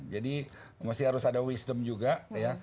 jadi masih harus ada wisdom juga ya